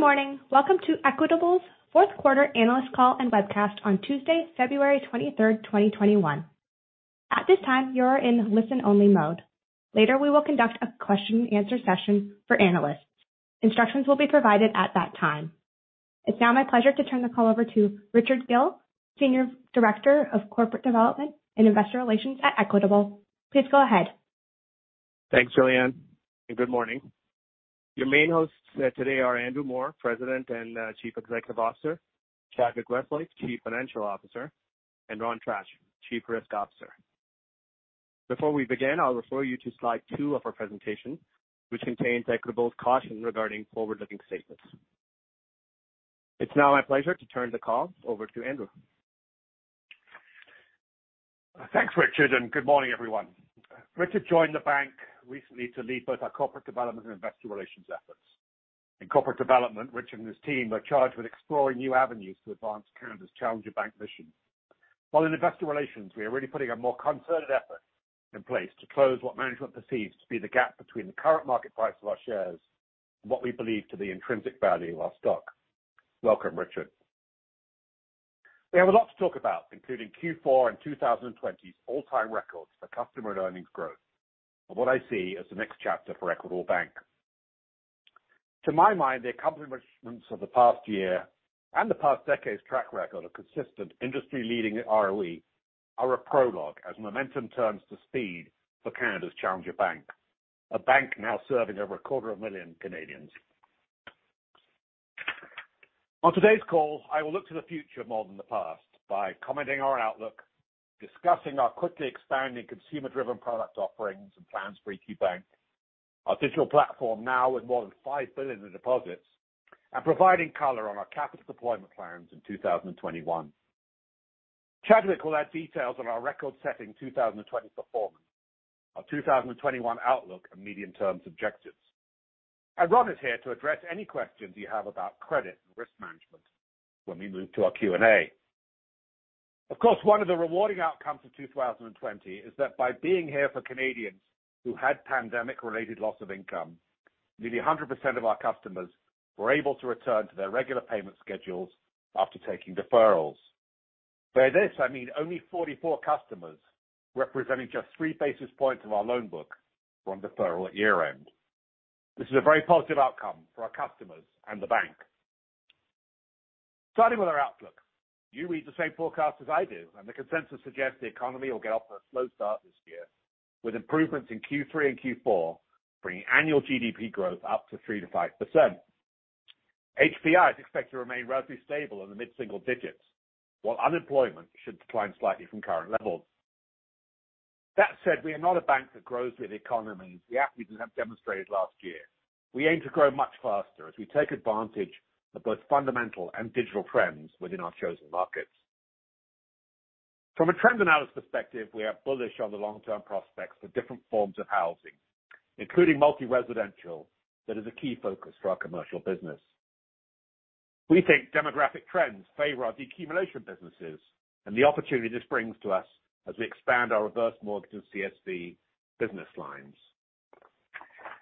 Good morning. Welcome to Equitable's Fourth Quarter Analyst Call and Webcast on Tuesday, February 23rd, 2021. At this time, you're in listen-only mode. Later, we will conduct a question-and-answer session for analysts. Instructions will be provided at that time. It's now my pleasure to turn the call over to Richard Gill, Senior Director of Corporate Development and Investor Relations at Equitable. Please go ahead. Thanks, Jillian, and good morning. Your main hosts today are Andrew Moor, President and Chief Executive Officer, Chadwick Westlake, Chief Financial Officer, and Ron Tratch, Chief Risk Officer. Before we begin, I'll refer you to slide two of our presentation, which contains Equitable's caution regarding forward-looking statements. It's now my pleasure to turn the call over to Andrew. Thanks, Richard, and good morning, everyone. Richard joined the bank recently to lead both our corporate development and investor relations efforts. In corporate development, Richard and his team are charged with exploring new avenues to advance Canada's challenger bank mission. While in investor relations, we are really putting a more concerted effort in place to close what management perceives to be the gap between the current market price of our shares and what we believe to be the intrinsic value of our stock. Welcome, Richard. We have a lot to talk about, including Q4 and 2020's all-time records for customer and earnings growth, and what I see as the next chapter for Equitable Bank. To my mind, the accomplishments of the past year and the past decade's track record of consistent industry-leading ROE are a prologue as momentum turns to speed for Canada's challenger bank, a bank now serving over a quarter of a million Canadians. On today's call, I will look to the future more than the past by commenting on our outlook, discussing our quickly expanding consumer-driven product offerings and plans for EQ Bank, our digital platform now with more than 5 billion in deposits, and providing color on our capital deployment plans in 2021. Chadwick will add details on our record-setting 2020 performance, our 2021 outlook, and medium-term objectives. And Ron is here to address any questions you have about credit and risk management when we move to our Q&A. Of course, one of the rewarding outcomes of 2020 is that by being here for Canadians who had pandemic-related loss of income, nearly 100% of our customers were able to return to their regular payment schedules after taking deferrals. By this, I mean only 44 customers representing just three basis points of our loan book from deferral at year-end. This is a very positive outcome for our customers and the bank. Starting with our outlook, you read the same forecast as I did, and the consensus suggests the economy will get off to a slow start this year, with improvements in Q3 and Q4 bringing annual GDP growth up to 3%-5%. HPI is expected to remain relatively stable in the mid-single digits, while unemployment should decline slightly from current levels. That said, we are not a bank that grows with the economy as the analysts have demonstrated last year. We aim to grow much faster as we take advantage of both fundamental and digital trends within our chosen markets. From a trend analyst perspective, we are bullish on the long-term prospects for different forms of housing, including multi-residential, that is a key focus for our commercial business. We think demographic trends favor our decumulation businesses and the opportunity this brings to us as we expand our reverse mortgage and CSV business lines.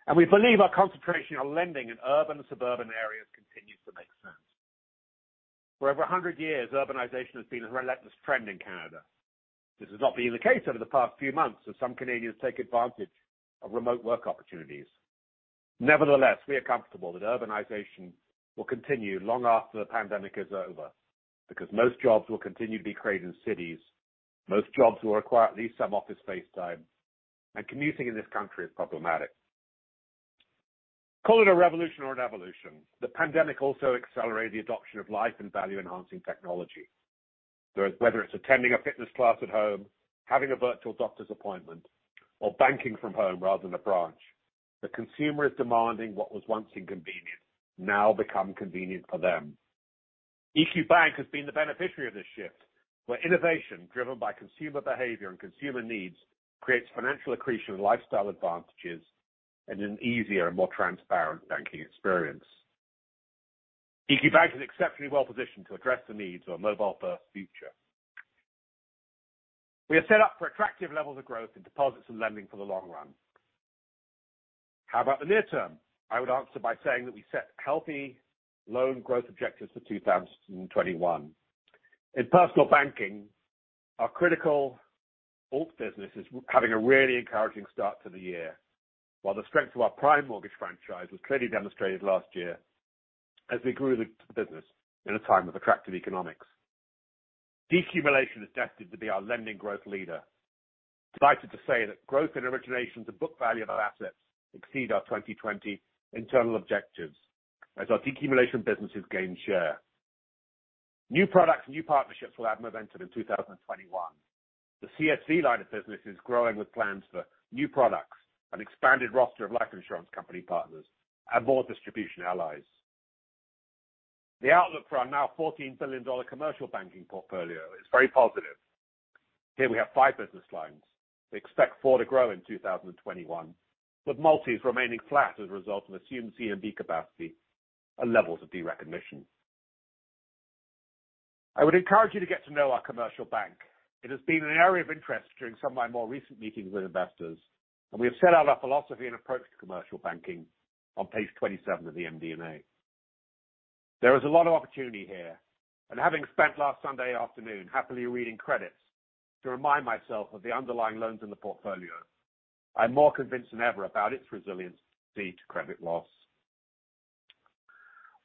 And we believe our concentration on lending in urban and suburban areas continues to make sense. For over 100 years, urbanization has been a relentless trend in Canada. This has not been the case over the past few months as some Canadians take advantage of remote work opportunities. Nevertheless, we are comfortable that urbanization will continue long after the pandemic is over because most jobs will continue to be created in cities, most jobs will require at least some office space time, and commuting in this country is problematic. Call it a revolution or an evolution, the pandemic also accelerated the adoption of life and value-enhancing technology. Whether it's attending a fitness class at home, having a virtual doctor's appointment, or banking from home rather than a branch, the consumer is demanding what was once inconvenient now becomes convenient for them. EQ Bank has been the beneficiary of this shift, where innovation driven by consumer behavior and consumer needs creates financial accretion and lifestyle advantages and an easier and more transparent banking experien ce. EQ Bank is exceptionally well-positioned to address the needs of a mobile-first future. We are set up for attractive levels of growth in deposits and lending for the long run. How about the near term? I would answer by saying that we set healthy loan growth objectives for 2021. In personal banking, our critical Alt business is having a really encouraging start to the year, while the strength of our prime mortgage franchise was clearly demonstrated last year as we grew the business in a time of attractive economics. Decumulation is destined to be our lending growth leader. Delighted to say that growth in originations and book value of our assets exceed our 2020 internal objectives as our decumulation businesses gain share. New products and new partnerships will add momentum in 2021. The CSV line of business is growing with plans for new products and an expanded roster of life insurance company partners and more distribution allies. The outlook for our now CAD 14 billion commercial banking portfolio is very positive. Here we have five business lines. We expect four to grow in 2021, with multi-unit insured remaining flat as a result of assumed CMB capacity and levels of derecognition. I would encourage you to get to know our commercial bank. It has been an area of interest during some of my more recent meetings with investors, and we have set out our philosophy and approach to commercial banking on page 27 of the MD&A. There is a lot of opportunity here, and having spent last Sunday afternoon happily reading credits to remind myself of the underlying loans in the portfolio, I'm more convinced than ever about its resiliency to credit loss.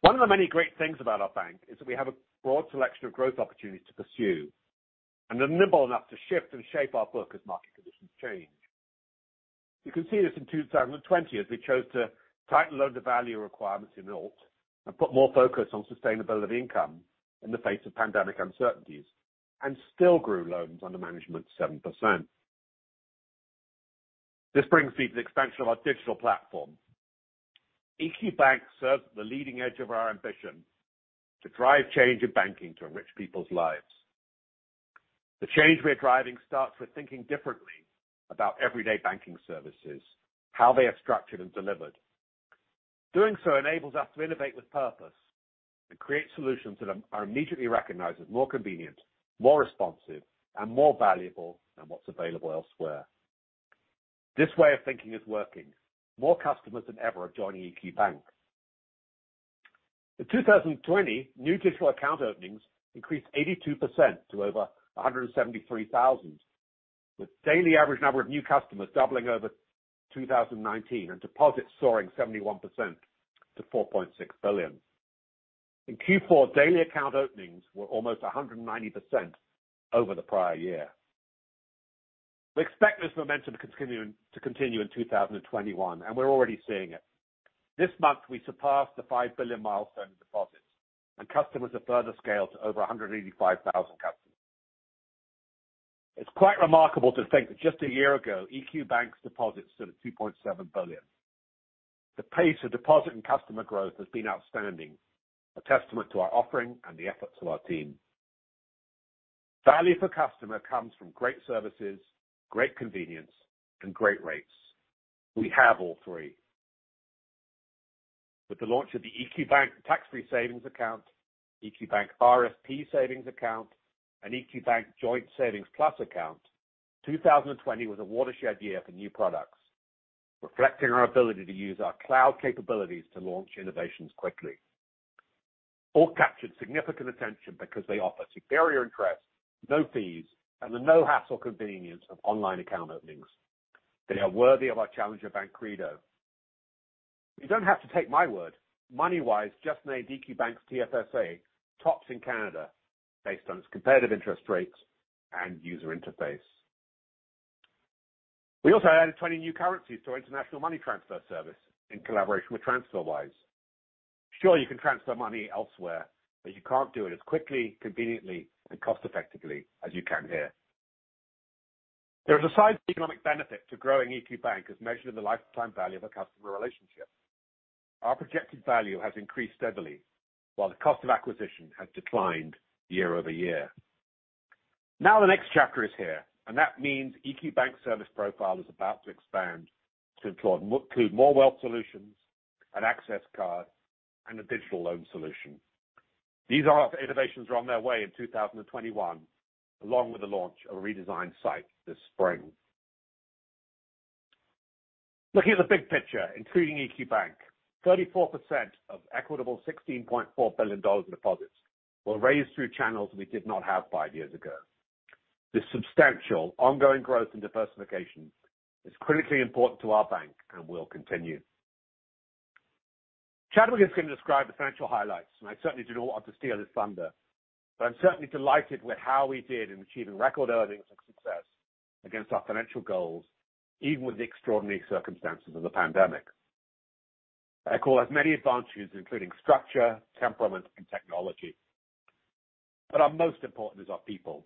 One of the many great things about our bank is that we have a broad selection of growth opportunities to pursue and are nimble enough to shift and shape our book as market conditions change. You can see this in 2020 as we chose to tighten loan-to-value requirements in Alt and put more focus on sustainability of income in the face of pandemic uncertainties and still grew loans under management to 7%. This brings me to the expansion of our digital platform. EQ Bank serves at the leading edge of our ambition to drive change in banking to enrich people's lives. The change we are driving starts with thinking differently about everyday banking services, how they are structured and delivered. Doing so enables us to innovate with purpose and create solutions that are immediately recognized as more convenient, more responsive, and more valuable than what's available elsewhere. This way of thinking is working. More customers than ever are joining EQ Bank. In 2020, new digital account openings increased 82% to over 173,000, with daily average number of new customers doubling over 2019 and deposits soaring 71% to 4.6 billion. In Q4, daily account openings were almost 190% over the prior year. We expect this momentum to continue in 2021, and we're already seeing it. This month, we surpassed the 5 billion milestone in deposits, and customers have further scaled to over 185,000 customers. It's quite remarkable to think that just a year ago, EQ Bank's deposits stood at 2.7 billion. The pace of deposit and customer growth has been outstanding, a testament to our offering and the efforts of our team. Value for customer comes from great services, great convenience, and great rates. We have all three. With the launch of the EQ Bank Tax-Free Savings Account, EQ Bank RSP Savings Account, and EQ Bank Joint Savings Plus Account, 2020 was a watershed year for new products, reflecting our ability to use our cloud capabilities to launch innovations quickly. Alt captured significant attention because they offer superior interest, no fees, and the no-hassle convenience of online account openings. They are worthy of our challenger bank credo. You don't have to take my word. MoneyWise just made EQ Bank's TFSA tops in Canada based on its comparative interest rates and user interface. We also added 20 new currencies to our international money transfer service in collaboration with TransferWise. Sure, you can transfer money elsewhere, but you can't do it as quickly, conveniently, and cost-effectively as you can here. There is a sizable economic benefit to growing EQ Bank as measured in the lifetime value of a customer relationship. Our projected value has increased steadily, while the cost of acquisition has declined year-over-year. Now the next chapter is here, and that means EQ Bank's service profile is about to expand to include more wealth solutions, an access card, and a digital loan solution. These innovations are on their way in 2021, along with the launch of a redesigned site this spring. Looking at the big picture, including EQ Bank, 34% of Equitable's 16.4 billion dollars in deposits were raised through channels we did not have five years ago. This substantial ongoing growth and diversification is critically important to our bank and will continue. Chadwick is going to describe the financial highlights, and I certainly do not want to steal his thunder, but I'm certainly delighted with how we did in achieving record earnings and success against our financial goals, even with the extraordinary circumstances of the pandemic. Equitable has many advantages, including structure, temperament, and technology, but our most important is our people.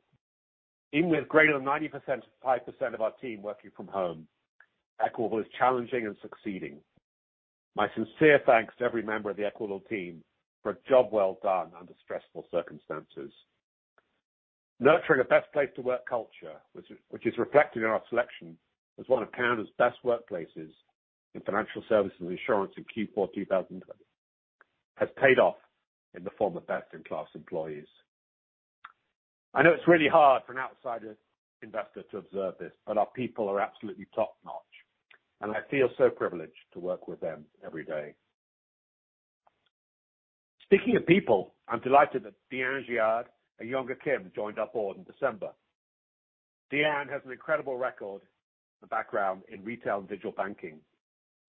Even with greater than 90% of our team working from home, Equitable is challenging and succeeding. My sincere thanks to every member of the Equitable team for a job well done under stressful circumstances. Nurturing a best place to work culture, which is reflected in our selection as one of Canada's best workplaces in financial services and insurance in Q4 2020, has paid off in the form of best-in-class employees. I know it's really hard for an outsider investor to observe this, but our people are absolutely top-notch, and I feel so privileged to work with them every day. Speaking of people, I'm delighted that Diane Giard, Yongah Kim, joined our board in December. Diane has an incredible record and background in retail and digital banking,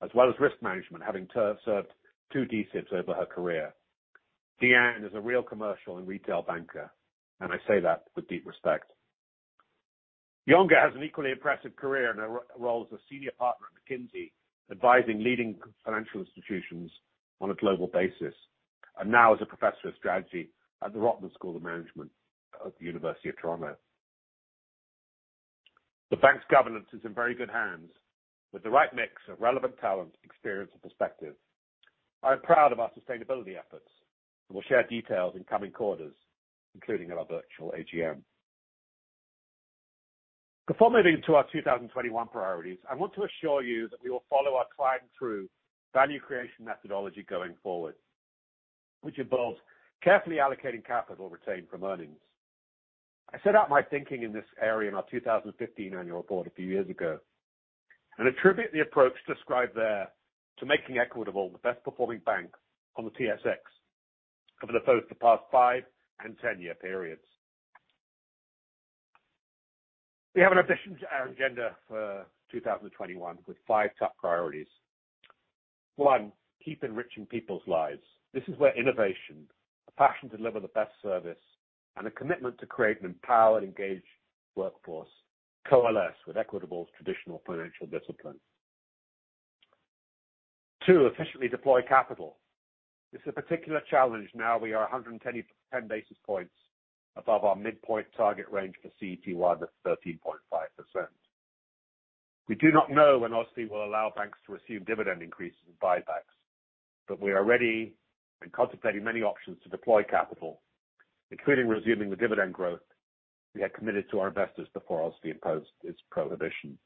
as well as risk management, having served two D-SIBs over her career. Diane is a real commercial and retail banker, and I say that with deep respect. Yongah has an equally impressive career and roles as a senior partner at McKinsey, advising leading financial institutions on a global basis, and now as a professor of strategy at the Rotman School of Management at the University of Toronto. The bank's governance is in very good hands with the right mix of relevant talent, experience, and perspective. I am proud of our sustainability efforts and will share details in coming quarters, including at our virtual AGM. Before moving to our 2021 priorities, I want to assure you that we will follow our value creation methodology going forward, which involves carefully allocating capital retained from earnings. I set out my thinking in this area in our 2015 annual report a few years ago and attribute the approach described there to making Equitable the best-performing bank on the TSX over both the past five and ten-year periods. We have an addition to our agenda for 2021 with five top priorities. One, keep enriching people's lives. This is where innovation, a passion to deliver the best service, and a commitment to create an empowered and engaged workforce coalesce with Equitable's traditional financial discipline. Two, efficiently deploy capital. This is a particular challenge now, we are 110 basis points above our midpoint target range for CET1 with 13.5%. We do not know when OSFI will allow banks to receive dividend increases and buybacks, but we are ready and contemplating many options to deploy capital, including resuming the dividend growth we had committed to our investors before OSFI imposed its prohibition.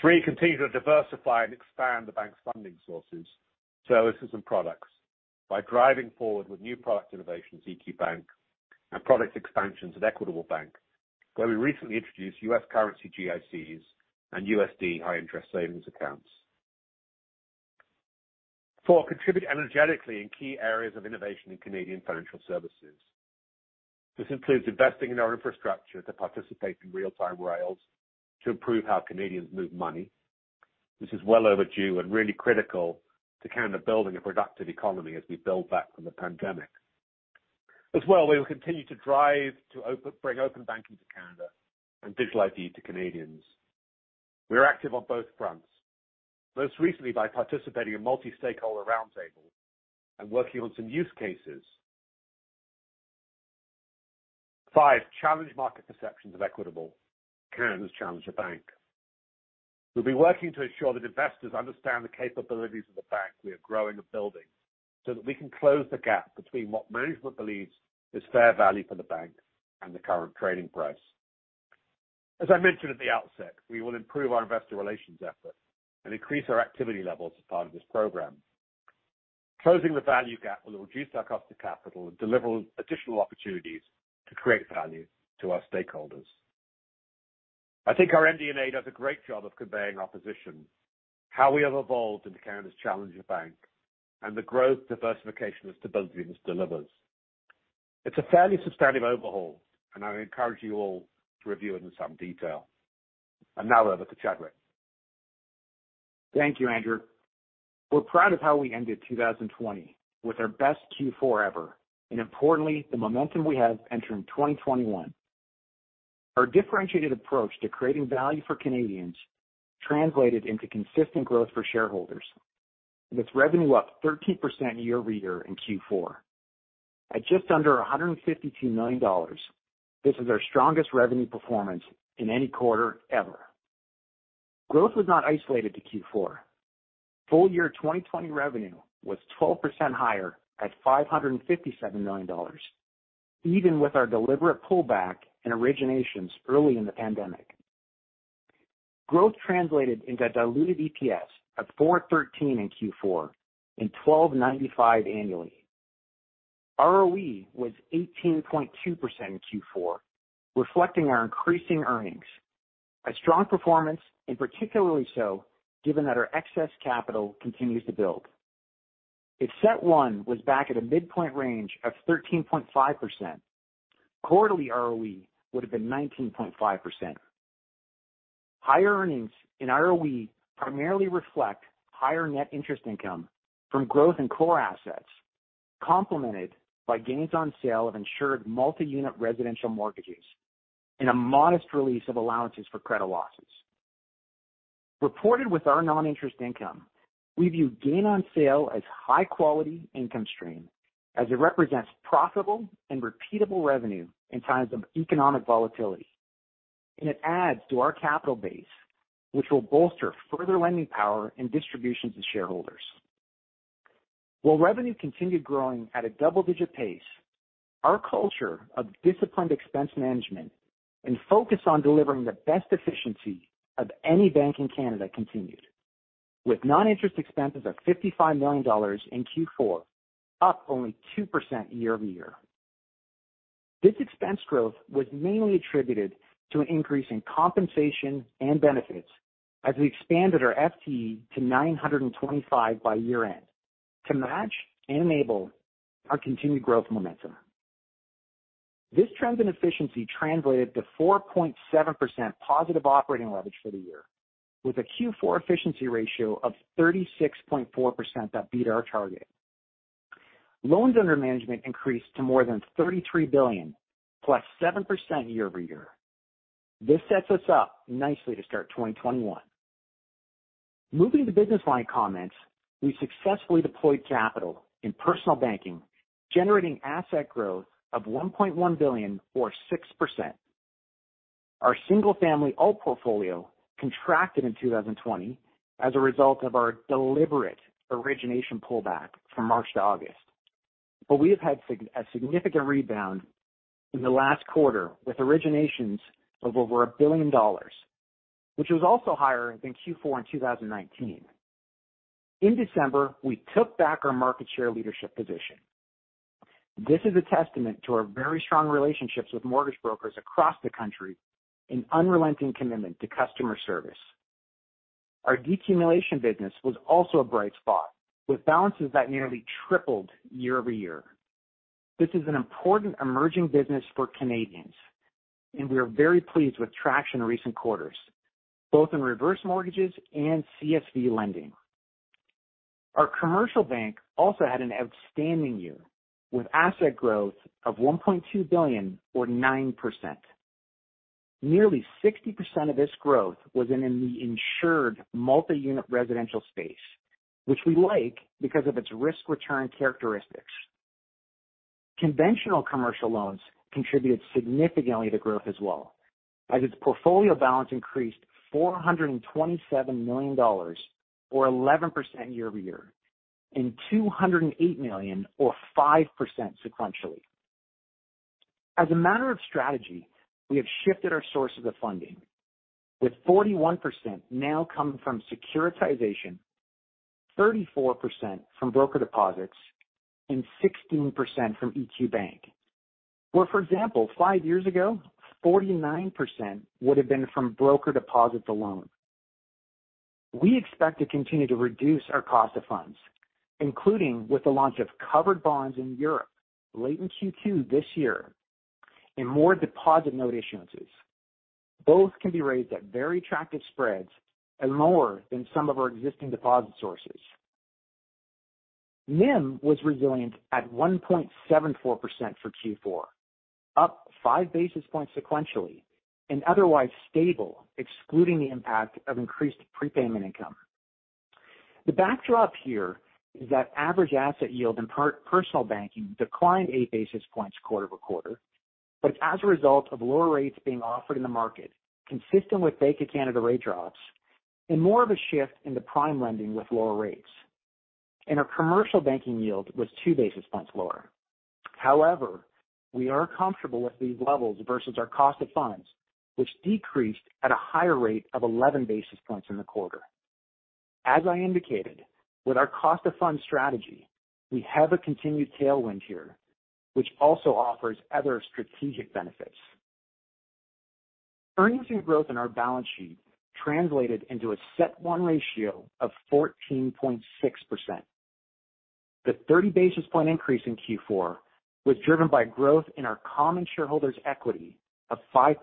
Three, continue to diversify and expand the bank's funding sources, services, and products by driving forward with new product innovations, EQ Bank, and product expansions at Equitable Bank, where we recently introduced U.S. Dollar GICs and USD high-interest savings accounts. Four, contribute energetically in key areas of innovation in Canadian financial services. This includes investing in our infrastructure to participate in Real-Time Rail to improve how Canadians move money. This is well overdue and really critical to Canada building a productive economy as we build back from the pandemic. As well, we will continue to drive to bring open banking to Canada and digital ID to Canadians. We are active on both fronts, most recently by participating in multi-stakeholder roundtables and working on some use cases. Five, challenge market perceptions of Equitable. Canada's Challenger Bank. We'll be working to ensure that investors understand the capabilities of the bank we are growing and building so that we can close the gap between what management believes is fair value for the bank and the current trading price. As I mentioned at the outset, we will improve our investor relations effort and increase our activity levels as part of this program. Closing the value gap will reduce our cost of capital and deliver additional opportunities to create value to our stakeholders. I think our MD&A does a great job of conveying our position, how we have evolved into Canada's challenger bank, and the growth, diversification, and stability this delivers. It's a fairly substantive overhaul, and I encourage you all to review it in some detail. And now over to Chadwick. Thank you, Andrew. We're proud of how we ended 2020 with our best Q4 ever and, importantly, the momentum we have entering 2021. Our differentiated approach to creating value for Canadians translated into consistent growth for shareholders, with revenue up 13% year-over-year in Q4. At just under 152 million dollars, this is our strongest revenue performance in any quarter ever. Growth was not isolated to Q4. Full year 2020 revenue was 12% higher at 557 million dollars, even with our deliberate pullback and originations early in the pandemic. Growth translated into a diluted EPS of 4.13 in Q4 and 12.95 annually. ROE was 18.2% in Q4, reflecting our increasing earnings, a strong performance, and particularly so given that our excess capital continues to build. If CET1 was back at a midpoint range of 13.5%, quarterly ROE would have been 19.5%. Higher earnings in ROE primarily reflect higher net interest income from growth in core assets, complemented by gains on sale of insured multi-unit residential mortgages and a modest release of allowances for credit losses. Reported with our non-interest income, we view gain on sale as high-quality income stream as it represents profitable and repeatable revenue in times of economic volatility, and it adds to our capital base, which will bolster further lending power and distributions to shareholders. While revenue continued growing at a double-digit pace, our culture of disciplined expense management and focus on delivering the best efficiency of any bank in Canada continued, with non-interest expenses of 55 million dollars in Q4 up only 2% year-over-year. This expense growth was mainly attributed to an increase in compensation and benefits as we expanded our FTE to 925 by year-end to match and enable our continued growth momentum. This trend in efficiency translated to 4.7% positive operating leverage for the year, with a Q4 efficiency ratio of 36.4% that beat our target. Loans under management increased to more than CAD 33 billion, +7% year-over-year. This sets us up nicely to start 2021. Moving to business line comments, we successfully deployed capital in personal banking, generating asset growth of 1.1 billion, or 6%. Our single-family Alt portfolio contracted in 2020 as a result of our deliberate origination pullback from March to August, but we have had a significant rebound in the last quarter with originations of over 1 billion dollars, which was also higher than Q4 in 2019. In December, we took back our market share leadership position. This is a testament to our very strong relationships with mortgage brokers across the country and unrelenting commitment to customer service. Our decumulation business was also a bright spot, with balances that nearly tripled year-over-year. This is an important emerging business for Canadians, and we are very pleased with traction in recent quarters, both in reverse mortgages and CSV lending. Our commercial bank also had an outstanding year with asset growth of 1.2 billion, or 9%. Nearly 60% of this growth was in the insured multi-unit residential space, which we like because of its risk-return characteristics. Conventional commercial loans contributed significantly to growth as well, as its portfolio balance increased 427 million dollars, or 11% year-over-year, and 208 million, or 5% sequentially. As a matter of strategy, we have shifted our sources of funding, with 41% now coming from securitization, 34% from broker deposits, and 16% from EQ Bank, where, for example, five years ago, 49% would have been from broker deposits alone. We expect to continue to reduce our cost of funds, including with the launch of covered bonds in Europe late in Q2 this year and more deposit note issuances. Both can be raised at very attractive spreads and lower than some of our existing deposit sources. NIM was resilient at 1.74% for Q4, up five basis points sequentially, and otherwise stable, excluding the impact of increased prepayment income. The backdrop here is that average asset yield in personal banking declined eight basis points quarter-over-quarter, but as a result of lower rates being offered in the market, consistent with Bank of Canada rate drops and more of a shift in the prime lending with lower rates, and our commercial banking yield was two basis points lower. However, we are comfortable with these levels versus our cost of funds, which decreased at a higher rate of 11 basis points in the quarter. As I indicated, with our cost of funds strategy, we have a continued tailwind here, which also offers other strategic benefits. Earnings and growth in our balance sheet translated into a CET1 ratio of 14.6%. The 30 basis point increase in Q4 was driven by growth in our common shareholders' equity of 5%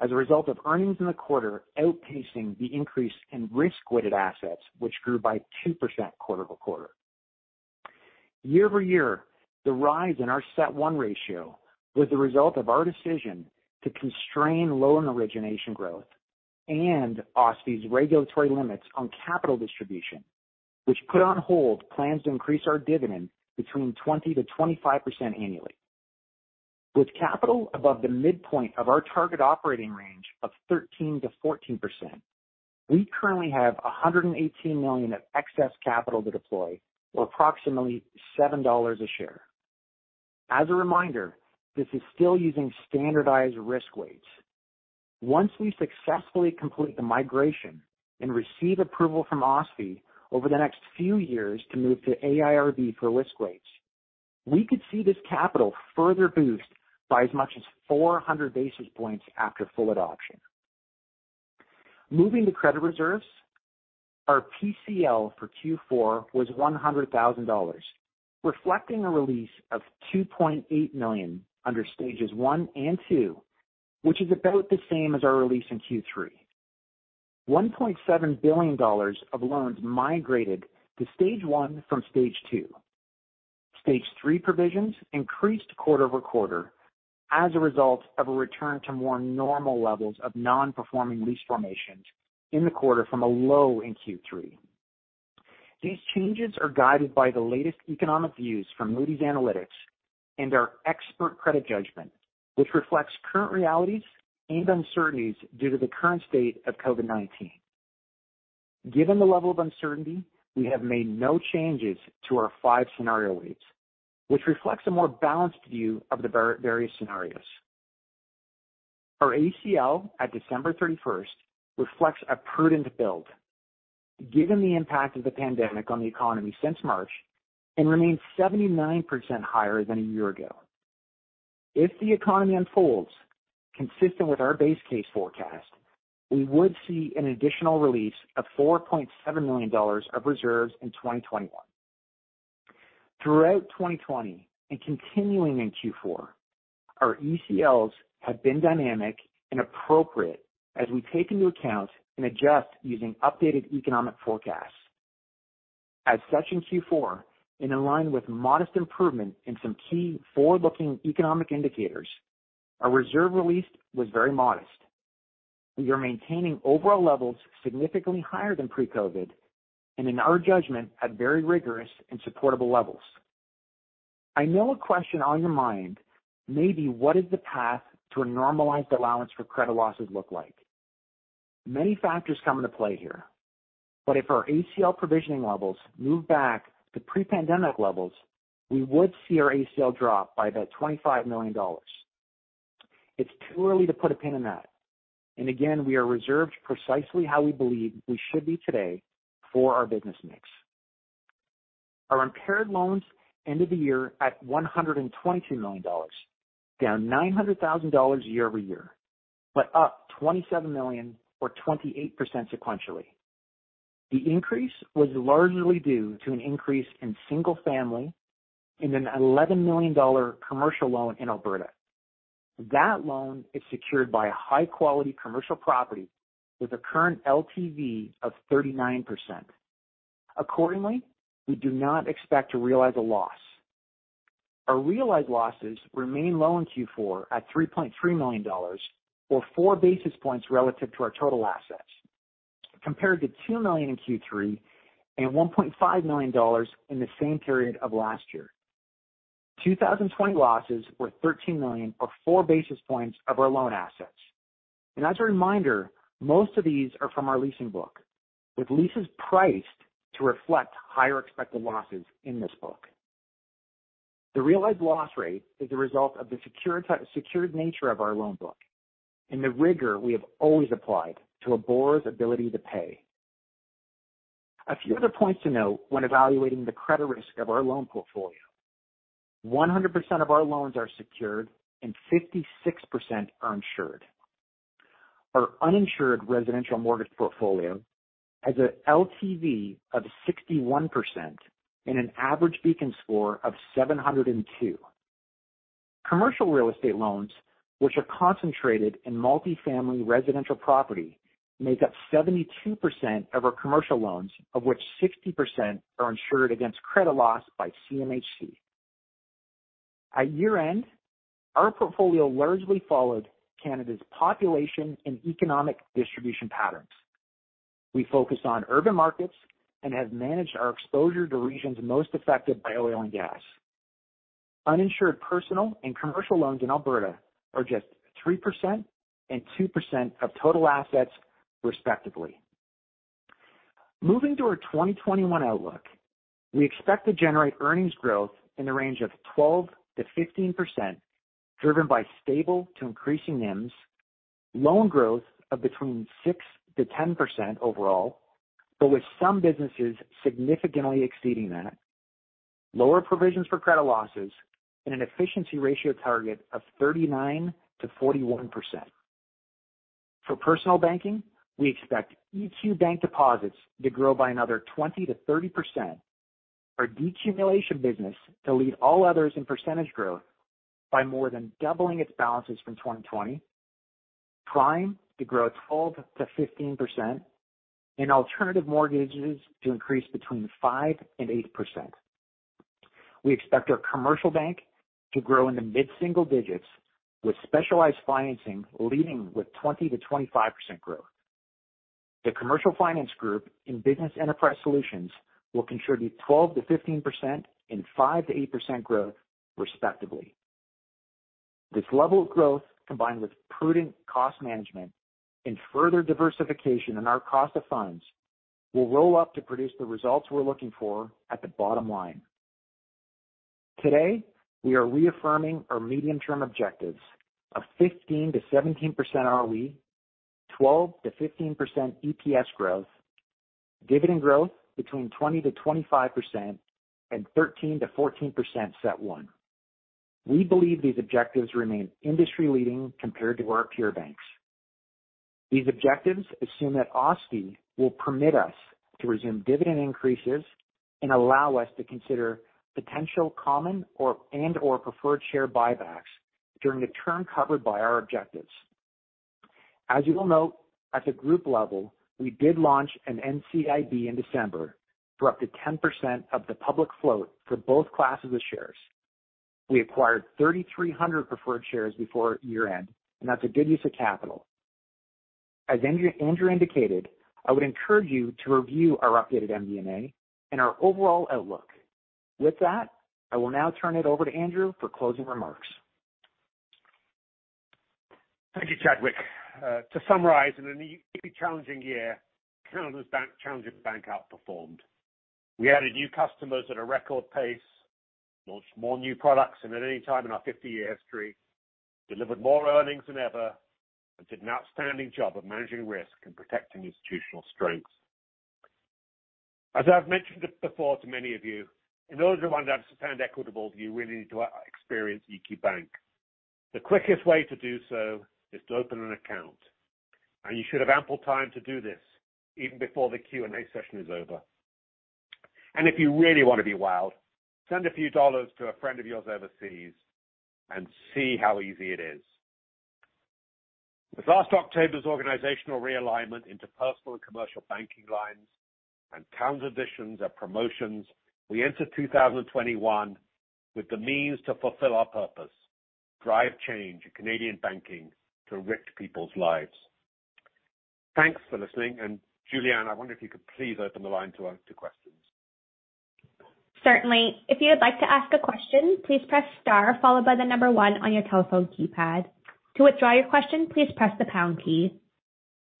as a result of earnings in the quarter outpacing the increase in risk-weighted assets, which grew by 2% quarter-over-quarter. Year-over-year, the rise in our CET1 ratio was the result of our decision to constrain loan origination growth and OSFI's regulatory limits on capital distribution, which put on hold plans to increase our dividend between 20%-25% annually. With capital above the midpoint of our target operating range of 13%-14%, we currently have 118 million of excess capital to deploy, or approximately 7 dollars a share. As a reminder, this is still using standardized risk weights. Once we successfully complete the migration and receive approval from OSFI over the next few years to move to AIRB for risk weights, we could see this capital further boost by as much as 400 basis points after full adoption. Moving to credit reserves, our PCL for Q4 was 100,000 dollars, reflecting a release of 2.8 million under stages one and two, which is about the same as our release in Q3. 1.7 billion dollars of loans migrated to stage one from stage two. Stage three provisions increased quarter-over-quarter as a result of a return to more normal levels of non-performing lease formations in the quarter from a low in Q3. These changes are guided by the latest economic views from Moody's Analytics and our expert credit judgment, which reflects current realities and uncertainties due to the current state of COVID-19. Given the level of uncertainty, we have made no changes to our five scenario weights, which reflects a more balanced view of the various scenarios. Our ACL at December 31 reflects a prudent build, given the impact of the pandemic on the economy since March and remains 79% higher than a year ago. If the economy unfolds consistent with our base case forecast, we would see an additional release of 4.7 million dollars of reserves in 2021. Throughout 2020 and continuing in Q4, our ECLs have been dynamic and appropriate as we take into account and adjust using updated economic forecasts. As such in Q4, and in line with modest improvement in some key forward-looking economic indicators, our reserve release was very modest. We are maintaining overall levels significantly higher than pre-COVID and, in our judgment, at very rigorous and supportable levels. I know a question on your mind may be, what does the path to a normalized allowance for credit losses look like? Many factors come into play here, but if our ACL provisioning levels move back to pre-pandemic levels, we would see our ACL drop by about 25 million dollars. It's too early to put a pin in that. And again, we are reserved precisely how we believe we should be today for our business mix. Our impaired loans ended the year at 122 million dollars, down 900,000 dollars year-over-year, but up 27 million, or 28% sequentially. The increase was largely due to an increase in single-family and a 11 million dollar commercial loan in Alberta. That loan is secured by a high-quality commercial property with a current LTV of 39%. Accordingly, we do not expect to realize a loss. Our realized losses remain low in Q4 at 3.3 million dollars, or four basis points relative to our total assets, compared to 2 million in Q3 and 1.5 million dollars in the same period of last year. 2020 losses were 13 million, or four basis points of our loan assets. As a reminder, most of these are from our leasing book, with leases priced to reflect higher expected losses in this book. The realized loss rate is a result of the secured nature of our loan book and the rigor we have always applied to a borrower's ability to pay. A few other points to note when evaluating the credit risk of our loan portfolio. 100% of our loans are secured and 56% are insured. Our uninsured residential mortgage portfolio has an LTV of 61% and an average Beacon Score of 702. Commercial real estate loans, which are concentrated in multi-family residential property, make up 72% of our commercial loans, of which 60% are insured against credit loss by CMHC. At year-end, our portfolio largely followed Canada's population and economic distribution patterns. We focus on urban markets and have managed our exposure to regions most affected by oil and gas. Uninsured personal and commercial loans in Alberta are just 3% and 2% of total assets, respectively. Moving to our 2021 outlook, we expect to generate earnings growth in the range of 12%-15%, driven by stable to increasing NIMs, loan growth of between 6%-10% overall, but with some businesses significantly exceeding that, lower provisions for credit losses, and an efficiency ratio target of 39%-41%. For personal banking, we expect EQ Bank deposits to grow by another 20%-30%, our decumulation business to lead all others in percentage growth by more than doubling its balances from 2020, prime to grow 12%-15%, and alternative mortgages to increase between 5% and 8%. We expect our commercial bank to grow in the mid-single digits, with specialized financing leading with 20%-25% growth. The Commercial Finance Group in Business Enterprise Solutions will contribute 12%-15% and 5%-8% growth, respectively. This level of growth, combined with prudent cost management and further diversification in our cost of funds, will roll up to produce the results we're looking for at the bottom line. Today, we are reaffirming our medium-term objectives of 15%-17% ROE, 12%-15% EPS growth, dividend growth between 20%-25%, and 13%-14% CET1. We believe these objectives remain industry-leading compared to our peer banks. These objectives assume that OSFI will permit us to resume dividend increases and allow us to consider potential common and/or preferred share buybacks during the term covered by our objectives. As you will note, at the group level, we did launch an NCIB in December for up to 10% of the public float for both classes of shares. We acquired 3,300 preferred shares before year-end, and that's a good use of capital. As Andrew indicated, I would encourage you to review our updated MD&A and our overall outlook. With that, I will now turn it over to Andrew for closing remarks. Thank you, Chadwick. To summarize, in an equally challenging year, Equitable Bank outperformed. We added new customers at a record pace, launched more new products than at any time in our 50-year history, delivered more earnings than ever, and did an outstanding job of managing risk and protecting institutional strength. As I've mentioned before to many of you, in order to understand Equitable, you really need to experience EQ Bank. The quickest way to do so is to open an account, and you should have ample time to do this even before the Q&A session is over. And if you really want to be wild, send a few dollars to a friend of yours overseas and see how easy it is. With last October's organizational realignment into personal and commercial banking lines and talent additions and promotions, we enter 2021 with the means to fulfill our purpose: drive change in Canadian banking to enrich people's lives. Thanks for listening. And Jillian, I wonder if you could please open the line to questions. Certainly. If you would like to ask a question, please press star followed by the number one on your telephone keypad. To withdraw your question, please press the pound key.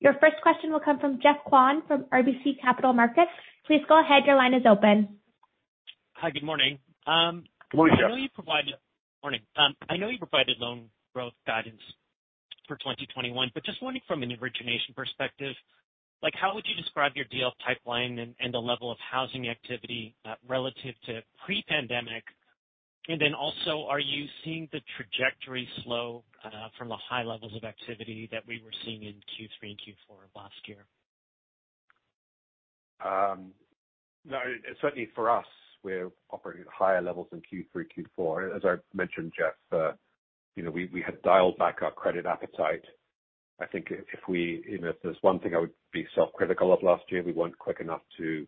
Your first question will come from Geoff Kwan from RBC Capital Markets. Please go ahead. Your line is open. Hi. Good morning. Good morning, Geoff. I know you provided loan growth guidance for 2021, but just wondering from an origination perspective, how would you describe your deal pipeline and the level of housing activity relative to pre-pandemic? And then also, are you seeing the trajectory slow from the high levels of activity that we were seeing in Q3 and Q4 of last year? No, certainly for us, we're operating at higher levels than Q3, Q4. As I mentioned, Geoff, we had dialed back our credit appetite. I think if there's one thing I would be self-critical of last year, we weren't quick enough to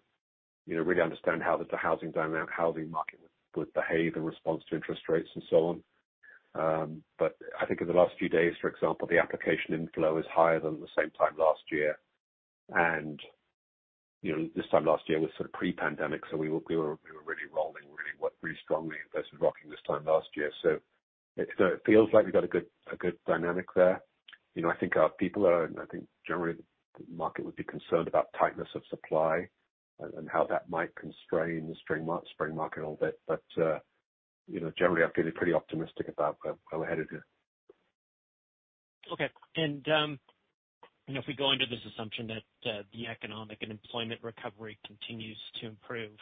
really understand how the housing market would behave in response to interest rates and so on. But I think in the last few days, for example, the application inflow is higher than at the same time last year. And this time last year was sort of pre-pandemic, so we were really rolling strongly versus rocking this time last year. So it feels like we've got a good dynamic there. I think our people are, and I think generally the market would be concerned about tightness of supply and how that might constrain the spring market a little bit. But generally, I feel pretty optimistic about where we're headed here. Okay. If we go into this assumption that the economic and employment recovery continues to improve,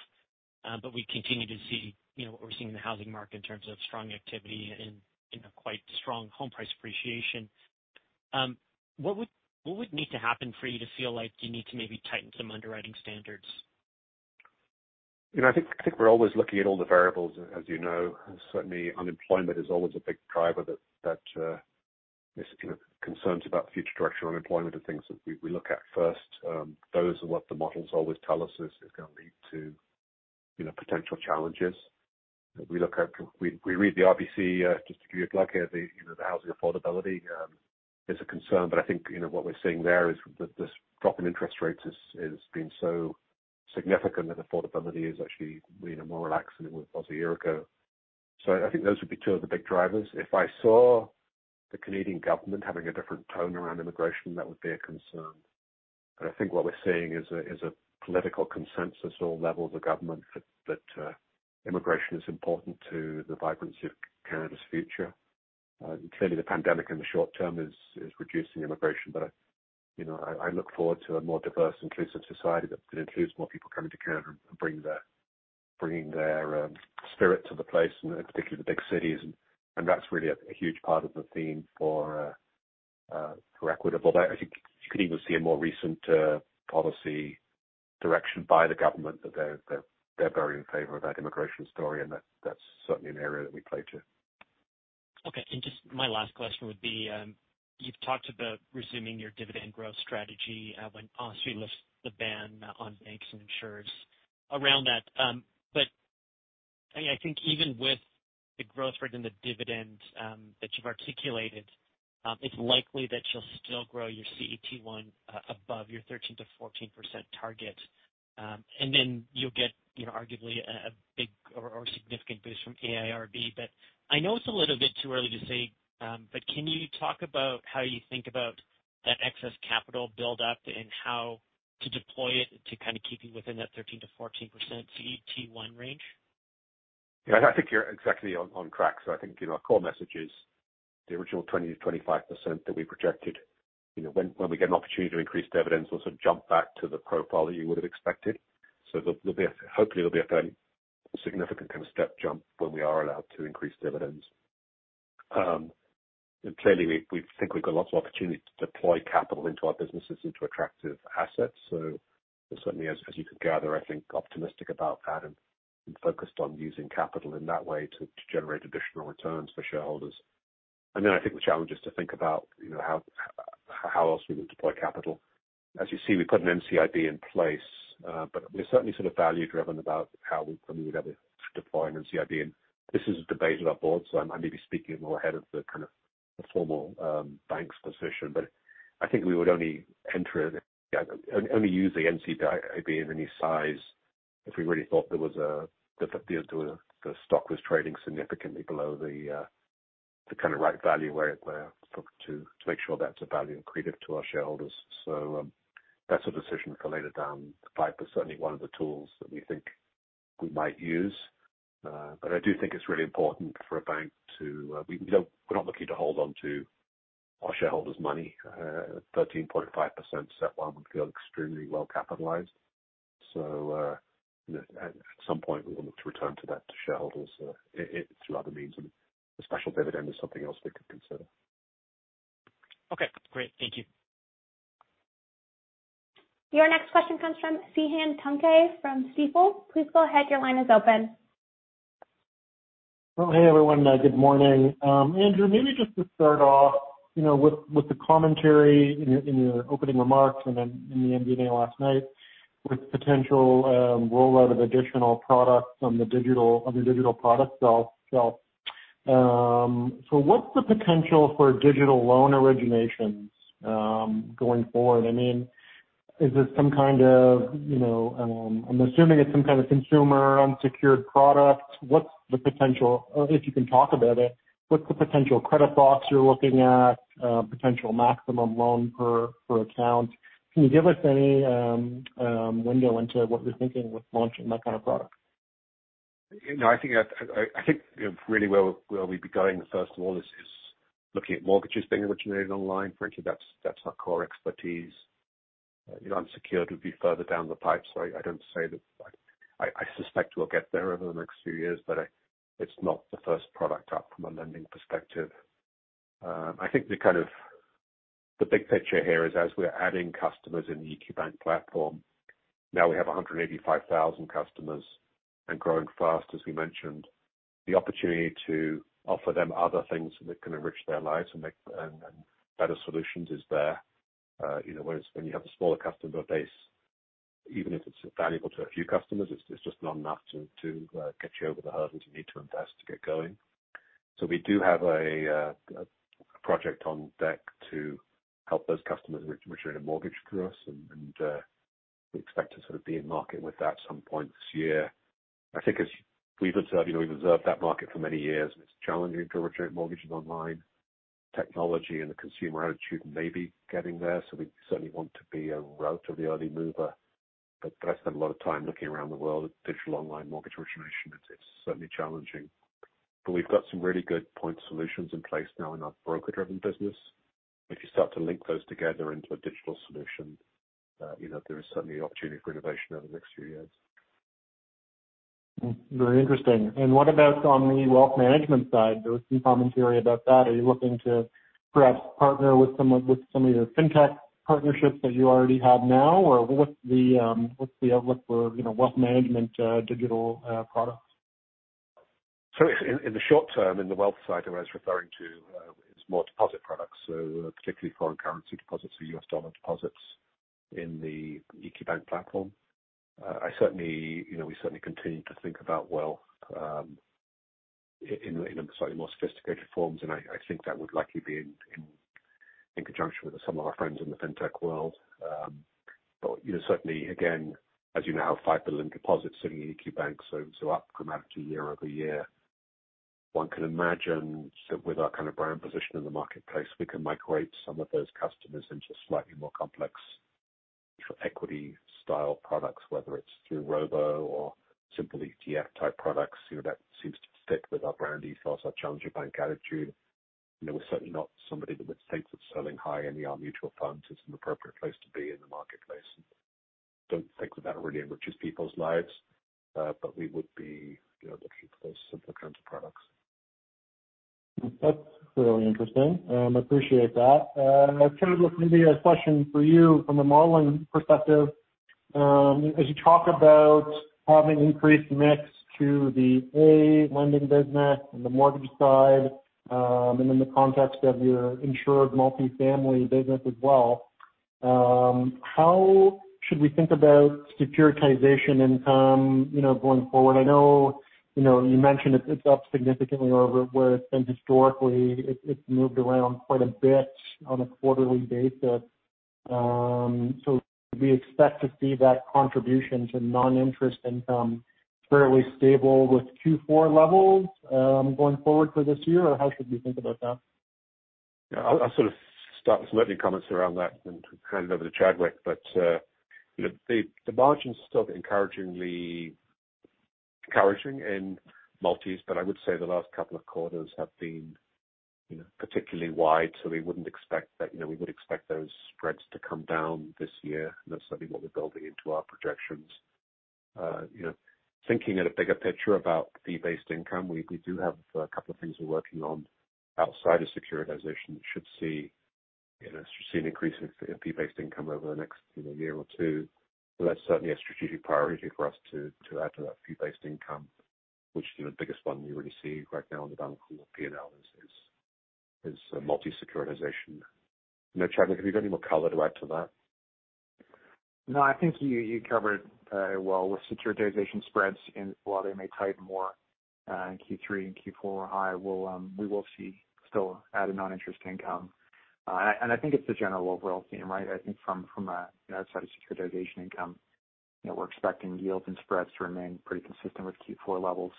but we continue to see what we're seeing in the housing market in terms of strong activity and quite strong home price appreciation, what would need to happen for you to feel like you need to maybe tighten some underwriting standards? I think we're always looking at all the variables, as you know. Certainly, unemployment is always a big driver that concerns about future direction of unemployment are things that we look at first. Those are what the models always tell us is going to lead to potential challenges. We read the RBC, just to give you a plug here, the housing affordability is a concern. But I think what we're seeing there is that this drop in interest rates has been so significant that affordability is actually more relaxed than it was a year ago. So I think those would be two of the big drivers. If I saw the Canadian government having a different tone around immigration, that would be a concern. But I think what we're seeing is a political consensus at all levels of government that immigration is important to the vibrancy of Canada's future. Clearly, the pandemic in the short term is reducing immigration, but I look forward to a more diverse, inclusive society that can include more people coming to Canada and bringing their spirit to the place, and particularly the big cities. And that's really a huge part of the theme for Equitable Bank. I think you could even see a more recent policy direction by the government that they're very in favor of that immigration story, and that's certainly an area that we play to. Okay. And just my last question would be, you've talked about resuming your dividend growth strategy when Alt lifts the ban on banks and insurers around that. But I think even with the growth rate and the dividend that you've articulated, it's likely that you'll still grow your CET1 above your 13%-14% target. And then you'll get arguably a big or significant boost from AIRB. But I know it's a little bit too early to say, but can you talk about how you think about that excess capital buildup and how to deploy it to kind of keep you within that 13%-14% CET1 range? Yeah. I think you're exactly on track. So I think our core message is the original 20%-25% that we projected. When we get an opportunity to increase dividends, we'll sort of jump back to the profile that you would have expected. So hopefully, there'll be a fairly significant kind of step jump when we are allowed to increase dividends. And clearly, we think we've got lots of opportunity to deploy capital into our businesses into attractive assets. So certainly, as you can gather, I think optimistic about that and focused on using capital in that way to generate additional returns for shareholders. And then I think the challenge is to think about how else we would deploy capital. As you see, we put an NCIB in place, but we're certainly sort of value-driven about how we would ever deploy an NCIB. This is debated at our board, so I may be speaking a little ahead of the kind of formal bank's position. But I think we would only use the NCIB in any size if we really thought the stock was trading significantly below the kind of right value where to make sure that's a value accretive to our shareholders. So that's a decision for later down the pipe, but certainly one of the tools that we think we might use. But I do think it's really important for a bank that we're not looking to hold onto our shareholders' money. 13.5% CET1 would feel extremely well capitalized. So at some point, we will need to return that to shareholders through other means. And the special dividend is something else we could consider. Okay. Great. Thank you. Your next question comes from Cihan Tuncay from Stifel. Please go ahead. Your line is open. Hey, everyone. Good morning. Andrew, maybe just to start off with the commentary in your opening remarks and then in the MD&A last night with the potential rollout of additional products on the digital product shelf, so what's the potential for digital loan originations going forward? I mean, I'm assuming it's some kind of consumer unsecured product. What's the potential, or if you can talk about it, what's the potential credit box you're looking at, potential maximum loan per account? Can you give us any window into what you're thinking with launching that kind of product? No, I think really where we'll be going, first of all, is looking at mortgages being originated online. Frankly, that's our core expertise. Unsecured would be further down the pipe, so I don't say that I suspect we'll get there over the next few years, but it's not the first product up from a lending perspective. I think the big picture here is as we're adding customers in the EQ Bank platform, now we have 185,000 customers and growing fast, as we mentioned. The opportunity to offer them other things that can enrich their lives and better solutions is there. When you have a smaller customer base, even if it's valuable to a few customers, it's just not enough to get you over the hurdles you need to invest to get going. So we do have a project on deck to help those customers originate a mortgage through us, and we expect to sort of be in market with that at some point this year. I think we've observed that market for many years, and it's challenging to originate mortgages online. Technology and the consumer attitude may be getting there, so we certainly want to be a relatively early mover. But I spent a lot of time looking around the world at digital online mortgage origination. It's certainly challenging. But we've got some really good point solutions in place now in our broker-driven business. If you start to link those together into a digital solution, there is certainly opportunity for innovation over the next few years. Very interesting. And what about on the wealth management side? There was some commentary about that. Are you looking to perhaps partner with some of your FinTech partnerships that you already have now, or what's the outlook for wealth management digital products? In the short term, in the wealth side that I was referring to, it's more deposit products, so particularly foreign currency deposits, so US dollar deposits in the EQ Bank platform. We certainly continue to think about wealth in slightly more sophisticated forms, and I think that would likely be in conjunction with some of our friends in the FinTech world. But certainly, again, as you know, our 5 billion deposits in EQ Bank, so up dramatically year-over-year. One can imagine that with our kind of brand position in the marketplace, we can migrate some of those customers into slightly more complex equity-style products, whether it's through Robo or simple ETF-type products. That seems to fit with our brand ethos, our challenger bank attitude. We're certainly not somebody that would think that selling high any mutual funds is an appropriate place to be in the marketplace. Don't think that that really enriches people's lives, but we would be looking for those simple kinds of products. That's really interesting. I appreciate that. Chadwick, maybe a question for you from a modeling perspective. As you talk about having increased mix to the Alt lending business and the mortgage side and in the context of your insured multifamily business as well, how should we think about securitization income going forward? I know you mentioned it's up significantly over where it's been historically. It's moved around quite a bit on a quarterly basis. So we expect to see that contribution to non-interest income fairly stable with Q4 levels going forward for this year, or how should we think about that? Yeah. I'll sort of start with some opening comments around that and hand it over to Chadwick. But the margins are still encouraging in multi, but I would say the last couple of quarters have been particularly wide, so we wouldn't expect that. We would expect those spreads to come down this year, and that's certainly what we're building into our projections. Thinking at a bigger picture about fee-based income, we do have a couple of things we're working on outside of securitization. We should see an increase in fee-based income over the next year or two. But that's certainly a strategic priority for us to add to that fee-based income, which the biggest one we really see right now on the balance of P&L is multi-securitization. Chadwick, have you got any more color to add to that? No, I think you covered it well with securitization spreads. While they may tighten more in Q3 and Q4, however, we will see still added non-interest income. And I think it's the general overall theme, right? I think from an outside of securitization income, we're expecting yields and spreads to remain pretty consistent with Q4 levels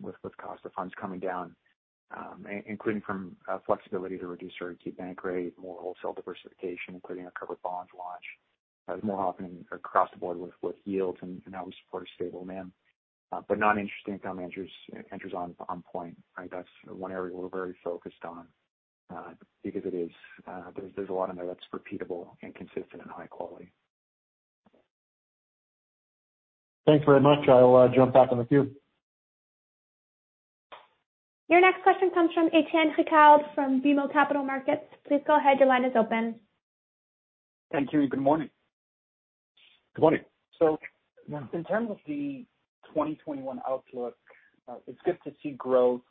with cost of funds coming down, including from flexibility to reduce our EQ Bank rate, more wholesale diversification, including a covered bonds launch. That's more often across the board with yields and how we support a stable demand. But non-interest income enters on point, right? That's one area we're very focused on because there's a lot in there that's repeatable and consistent and high quality. Thanks very much. I'll jump back on the queue. Your next question comes from Étienne Ricard from BMO Capital Markets. Please go ahead. Your line is open. Thank you. Good morning. Good morning. So in terms of the 2021 outlook, it's good to see growth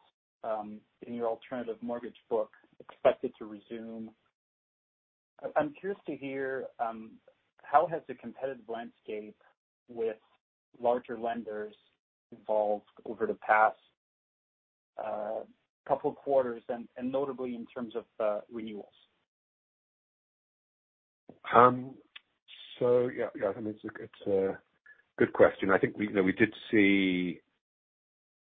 in your alternative mortgage book expected to resume. I'm curious to hear how has the competitive landscape with larger lenders evolved over the past couple of quarters, and notably in terms of renewals? So yeah, I mean, it's a good question. I think we did see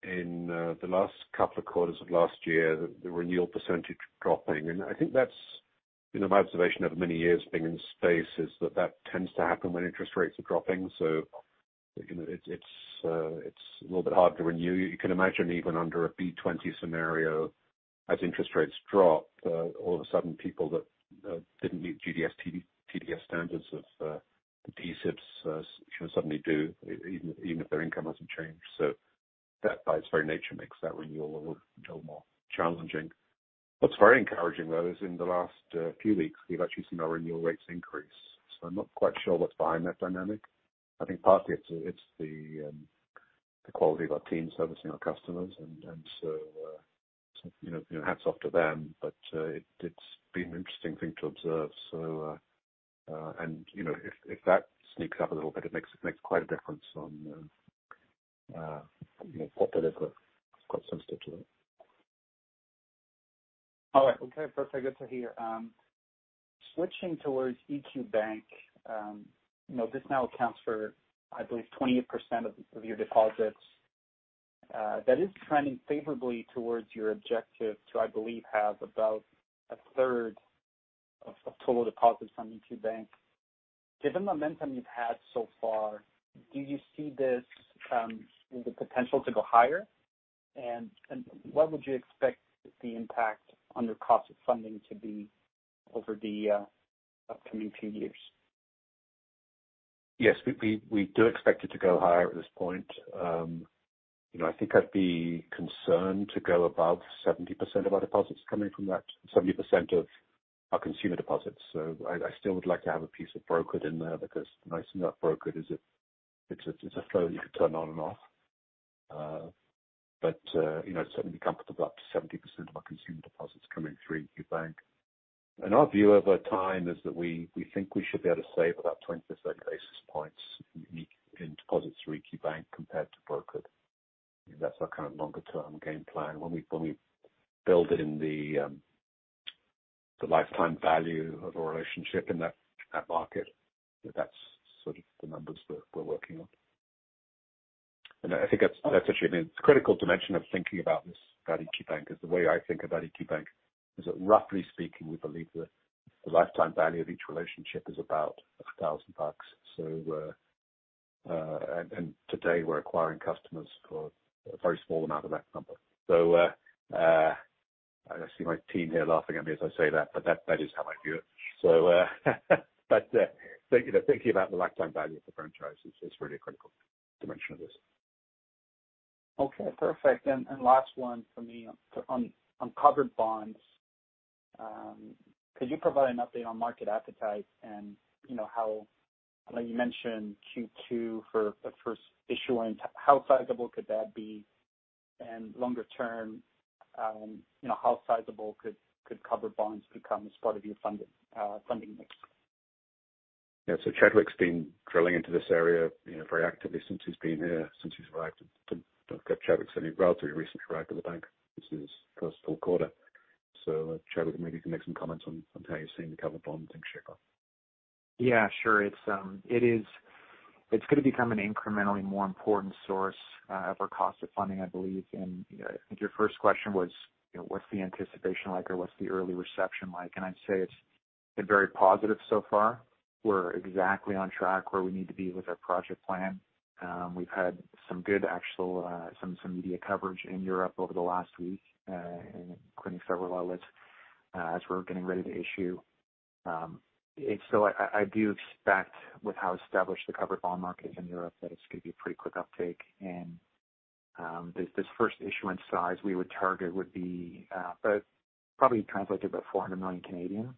in the last couple of quarters of last year the renewal percentage dropping, and I think that's my observation over many years being in the space is that that tends to happen when interest rates are dropping. So it's a little bit hard to renew. You can imagine even under a B-20 scenario, as interest rates drop, all of a sudden people that didn't meet GDS/TDS standards of D-SIBs suddenly do, even if their income hasn't changed. So that by its very nature makes that renewal a little more challenging. What's very encouraging, though, is in the last few weeks, we've actually seen our renewal rates increase. So I'm not quite sure what's behind that dynamic. I think partly it's the quality of our team servicing our customers, and so hats off to them. But it's been an interesting thing to observe. And if that sneaks up a little bit, it makes quite a difference on what they're delivering. It's quite sensitive to that. All right. Okay. Perfect. Good to hear. Switching towards EQ Bank, this now accounts for, I believe, 28% of your deposits. That is trending favorably towards your objective to, I believe, have about a third of total deposits from EQ Bank. Given momentum you've had so far, do you see this with the potential to go higher? And what would you expect the impact on your cost of funding to be over the upcoming few years? Yes. We do expect it to go higher at this point. I think I'd be concerned to go above 70% of our deposits coming from that, 70% of our consumer deposits. So I still would like to have a piece of brokerage in there because niche enough brokerage is a flow that you can turn on and off. But I'd certainly be comfortable up to 70% of our consumer deposits coming through EQ Bank. And our view over time is that we think we should be able to save about 20-30 basis points in deposits through EQ Bank compared to brokerage. That's our kind of longer-term game plan. When we build in the lifetime value of a relationship in that market, that's sort of the numbers we're working on. I think that's actually a critical dimension of thinking about EQ Bank. The way I think about EQ Bank is that roughly speaking, we believe the lifetime value of each relationship is about 1,000 bucks. And today, we're acquiring customers for a very small amount of that number. So I see my team here laughing at me as I say that, but that is how I view it. But thinking about the lifetime value of the franchise is really a critical dimension of this. Okay. Perfect. And last one for me on covered bonds. Could you provide an update on market appetite and how, like you mentioned, Q2 for the first issuance, how sizable could that be? And longer term, how sizable could covered bonds become as part of your funding mix? Yeah. So Chadwick's been drilling into this area very actively since he's been here, since he's arrived. Chadwick's only relatively recently arrived at the bank. This is first full quarter. So Chadwick, maybe you can make some comments on how you've seen the covered bonds thing shape up. Yeah, sure. It's going to become an incrementally more important source of our cost of funding, I believe, and I think your first question was, what's the anticipation like or what's the early reception like? And I'd say it's been very positive so far. We're exactly on track where we need to be with our project plan. We've had some good actual media coverage in Europe over the last week, including several outlets, as we're getting ready to issue. So I do expect with how established the covered bond market is in Europe that it's going to be a pretty quick uptake. And this first issuance size we would target would be probably translated to about 400 million.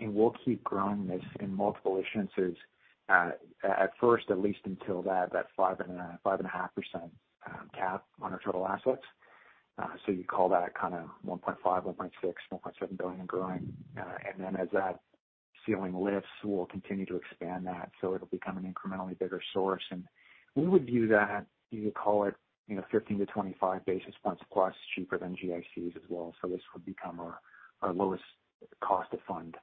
And we'll keep growing this in multiple issuances at first, at least until that 5.5% cap on our total assets. So you call that kind of 1.5, 1.6, 1.7 billion growing. And then as that ceiling lifts, we'll continue to expand that. So it'll become an incrementally bigger source. And we would view that, you could call it 15-25 basis points plus cheaper than GICs as well. So this would become our lowest cost of fund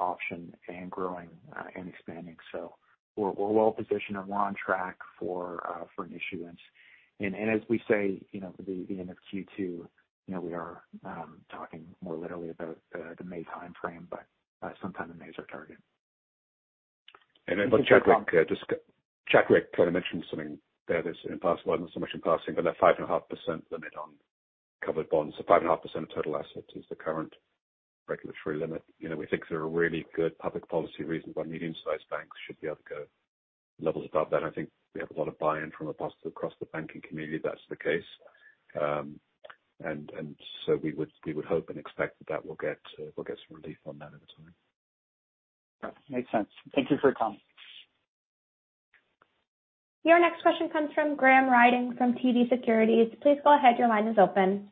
option and growing and expanding. So we're well positioned and we're on track for an issuance. And as we say, the end of Q2, we are talking more literally about the May timeframe, but sometime in May is our target. And I think Chadwick kind of mentioned something there that's in passing, but that 5.5% limit on covered bonds, so 5.5% of total assets is the current regulatory limit. We think there are really good public policy reasons why medium-sized banks should be able to go levels above that. I think we have a lot of buy-in from across the banking community that that's the case. And so we would hope and expect that that will get some relief on that over time. Makes sense. Thank you for your comments. Your next question comes from Graham Ryding from TD Securities. Please go ahead. Your line is open.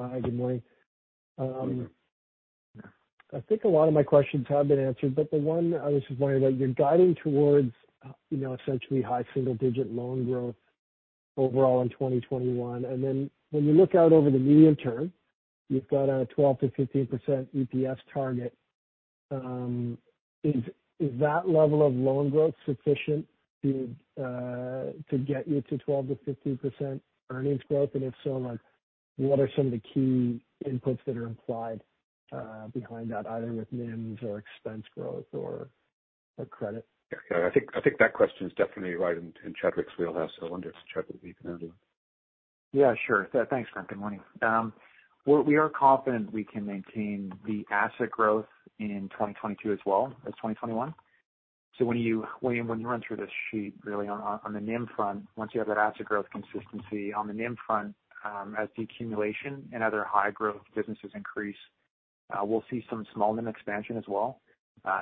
Hi. Good morning. I think a lot of my questions have been answered, but the one I was just wondering about, you're guiding towards essentially high single-digit loan growth overall in 2021. And then when you look out over the medium term, you've got a 12%-15% EPS target. Is that level of loan growth sufficient to get you to 12%-15% earnings growth? And if so, what are some of the key inputs that are implied behind that, either with NIMs or expense growth or credit? Yeah. I think that question is definitely right in Chadwick's wheelhouse. I wonder if Chadwick can answer that. Yeah, sure. Thanks, Graham. Good morning. We are confident we can maintain the asset growth in 2022 as well as 2021. So when you run through this sheet, really on the NIM front, once you have that asset growth consistency on the NIM front, as the decumulation and other high-growth businesses increase, we'll see some small NIM expansion as well,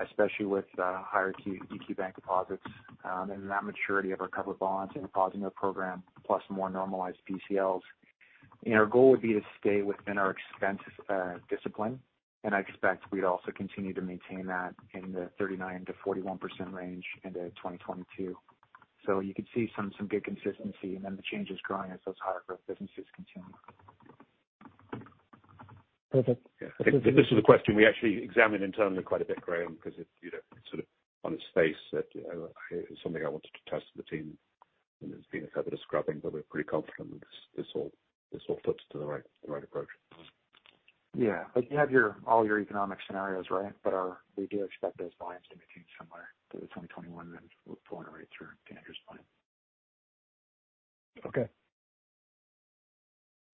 especially with higher EQ Bank deposits and that maturity of our covered bonds and Deposit Note program plus more normalized PCLs. And our goal would be to stay within our expense discipline. And I expect we'd also continue to maintain that in the 39%-41% range into 2022. So you can see some good consistency and then the changes growing as those higher-growth businesses continue. Perfect. This is a question we actually examined internally quite a bit, Graham, because it's sort of on its face that it's something I wanted to test with the team, and there's been a fair bit of scrubbing, but we're pretty confident this all fits to the right approach. Yeah. You have all your economic scenarios, right? But we do expect those to continue similar to the 2021 and pulling rates through to Andrew's plan. Okay.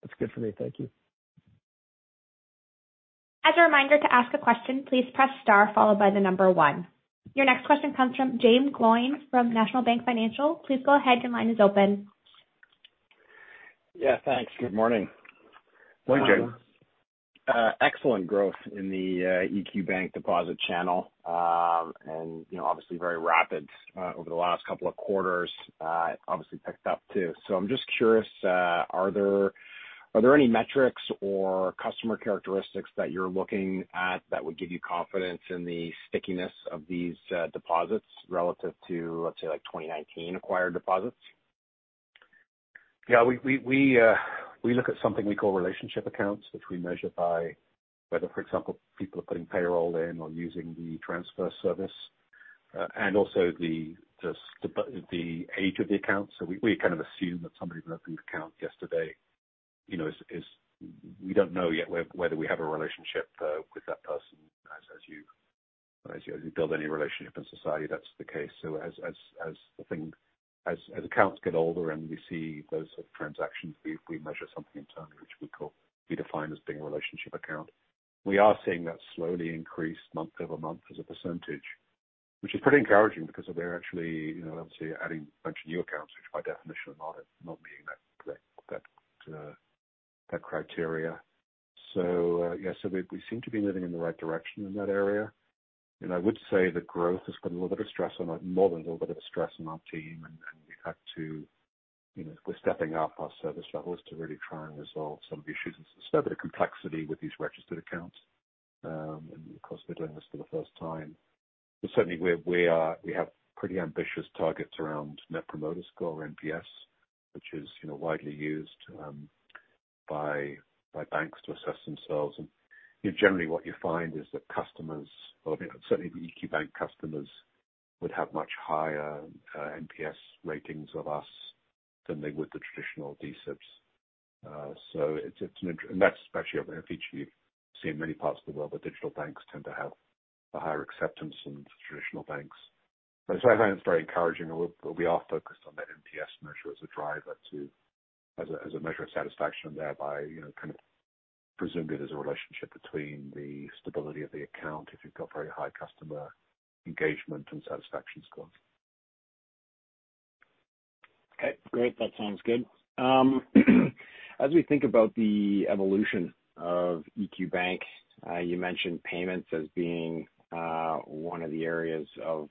That's good for me. Thank you. As a reminder to ask a question, please press star followed by the number one. Your next question comes from Jaeme Gloyn from National Bank Financial. Please go ahead. Your line is open. Yeah. Thanks. Good morning. Morning, Jaeme. Excellent growth in the EQ Bank deposit channel and obviously very rapid over the last couple of quarters. Obviously picked up too. So I'm just curious, are there any metrics or customer characteristics that you're looking at that would give you confidence in the stickiness of these deposits relative to, let's say, 2019 acquired deposits? Yeah. We look at something we call relationship accounts, which we measure by whether, for example, people are putting payroll in or using the transfer service. And also the age of the account. So we kind of assume that somebody opened an account yesterday. We don't know yet whether we have a relationship with that person. As you build any relationship in society, that's the case. So as accounts get older and we see those sort of transactions, we measure something internally, which we define as being a relationship account. We are seeing that slowly increase month over month as a percentage, which is pretty encouraging because we're actually obviously adding a bunch of new accounts, which by definition are not meeting that criteria. Yeah, we seem to be moving in the right direction in that area. The growth has put more than a little bit of stress on our team. We've had to step up our service levels to really try and resolve some of the issues. There's a fair bit of complexity with these registered accounts. Of course, we're doing this for the first time. We have pretty ambitious targets around Net Promoter Score or NPS, which is widely used by banks to assess themselves. Generally, what you find is that customers, or certainly the EQ Bank customers, would have much higher NPS ratings of us than they would the traditional D-SIBs. It's an interesting and that's actually a feature you've seen in many parts of the world where digital banks tend to have a higher acceptance than traditional banks. I find it's very encouraging. We are focused on that NPS measure as a driver too, as a measure of satisfaction thereby kind of presumed it as a relationship between the stability of the account if you've got very high customer engagement and satisfaction scores. Okay. Great. That sounds good. As we think about the evolution of EQ Bank, you mentioned payments as being one of the areas of